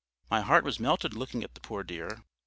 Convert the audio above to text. My heart was melted looking at the poor dear.